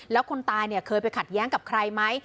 แล้วคนตายเนี่ยเคยไปขัดแย้งกับใครไหม